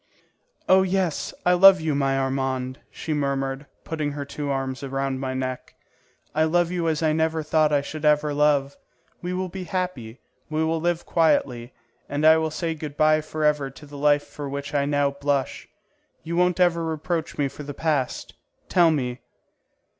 "Oh yes, I love you, my Armand," she murmured, putting her two arms around my neck. "I love you as I never thought I should ever love. We will be happy; we will live quietly, and I will say good bye forever to the life for which I now blush. You won't ever reproach me for the past? Tell me!"